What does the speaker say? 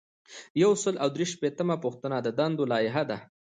یو سل او درې شپیتمه پوښتنه د دندو لایحه ده.